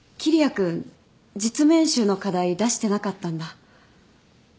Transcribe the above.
君実務演習の課題出してなかったんだ。